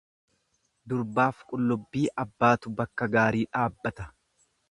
Durbaaf qullubbii abbaatu bakka gaarii dhaabbata.